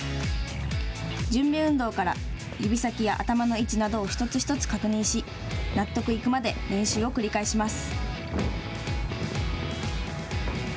準備運動から指先、頭の位置などを一つ一つ確認し納得いくまで練習を繰り返します。